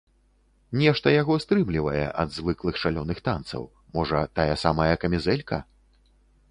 Нешта яго стрымлівае ад звыклых шалёных танцаў, можа, тая самая камізэлька?